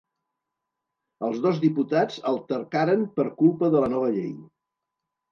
Els dos diputats altercaren per culpa de la nova llei.